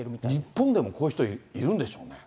日本でもこういう人いるんでしょうね。